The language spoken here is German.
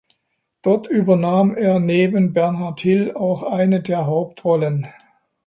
Dort übernahm er neben Bernard Hill auch eine der Hauptrollen.